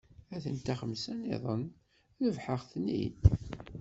A-ten-an xemsa-nniḍen, rebḥeɣ-ten-id.